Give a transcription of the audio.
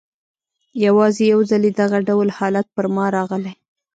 یوازي یو ځلې دغه ډول حالت پر ما راغلی.